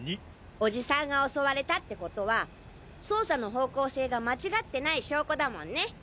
おじさんが襲われたってことは捜査の方向性が間違ってない証拠だもんね。